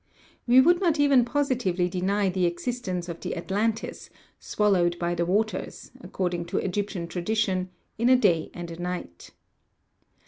We would not even positively deny the existence of the Atlantis, swallowed by the waters, according to Egyp tian tradition, in a dav and a night.